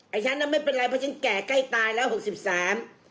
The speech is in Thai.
ฉันน่ะไม่เป็นไรเพราะฉันแก่ใกล้ตายแล้วหกสิบสาม